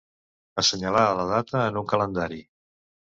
Assenyalar la data en un calendari.